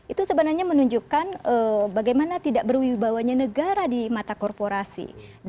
itu sebenarnya menunjukkan bagaimana tidak berwibawanya negara di mata korporasi